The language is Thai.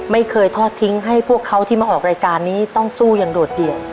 ไม่เคยทอดทิ้งให้พวกเขาที่มาออกรายการนี้ต้องสู้อย่างโดดเดี่ยว